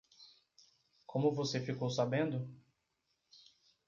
Como você ficou sabendo?